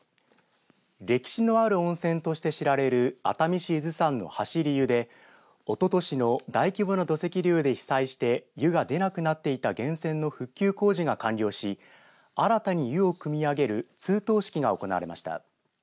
歴史のある温泉として知られる熱海市伊豆山の走り湯でおととしの大規模な土石流で被災して湯が出なくなっていた源泉の復旧工事が完了し新たに湯をくみ上げる通湯式が行われました。